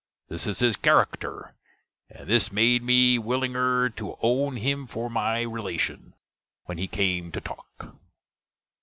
This is his carackter; and this made me willinger to owne him for my relation, when we came to talck.